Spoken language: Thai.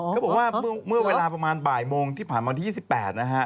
เขาบอกว่าเมื่อเวลาประมาณบ่ายโมงที่ผ่านมาที่๒๘นะฮะ